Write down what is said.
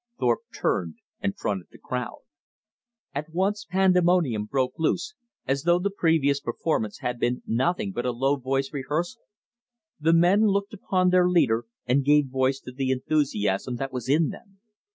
Thorpe turned and fronted the crowd. At once pandemonium broke loose, as though the previous performance had been nothing but a low voiced rehearsal. The men looked upon their leader and gave voice to the enthusiasm that was in them.